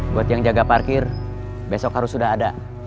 buat yang jaga parkir besok harus sudah ada